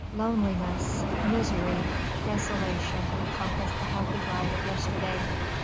Loneliness! Misery! Desolation encompassed the happy bride of yesterday.